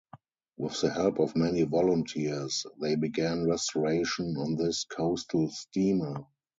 With the help of many volunteers they began restoration on this coastal steamer.